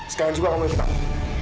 sekarang juga kamu ikut kami